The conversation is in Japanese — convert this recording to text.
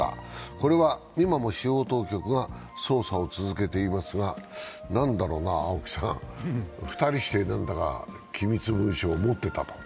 これは今も司法当局が捜査を続けていますが、何だろうな、青木さん、２人して機密文書を持ってたと。